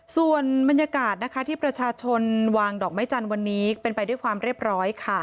ส่วนบรรยากาศที่ประชาชนวางดอกไม้จันทร์วันนี้เป็นไปด้วยความเรียบร้อย